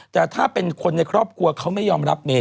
แต่ถ้าเป็นคนในครอบครัวเขาไม่ยอมรับเมย